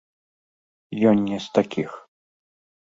Ён не з такіх.